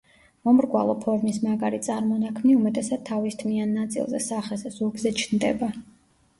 მომრგვალო ფორმის მაგარი წარმონაქმნი უმეტესად თავის თმიან ნაწილზე, სახეზე, ზურგზე ჩნდება.